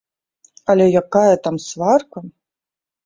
Але якая там сварка!